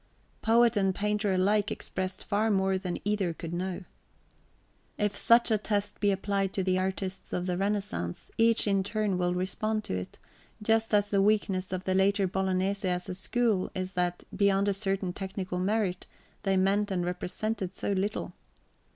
Poet and painter alike expressed far more than either could know. If such a test be applied to the artists of the Renaissance, each in turn will respond to it, just as the weakness of the later Bolognese as a school is that, beyond a certain technical merit, they meant and represented so little.